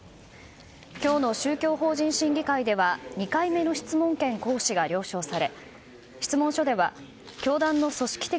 今日の宗教法人審議会では２回目の質問権行使が了承され質問書では教団の組織的